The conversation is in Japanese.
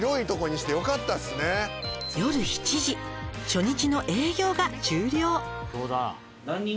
「初日の営業が終了」